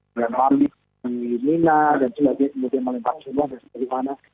di uki arafah di minar dan juga di malay pak cumbang dan di mana